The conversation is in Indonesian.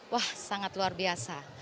wah sangat luar biasa